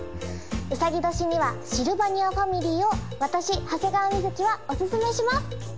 うさぎ年にはシルバニアファミリーを私長谷川瑞はおすすめします